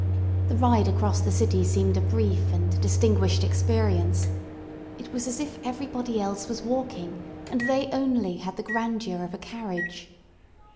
The ride across the city seemed a brief and distinguished experience. It was as if everybody else was walking and they only had the grandeur of a carriage.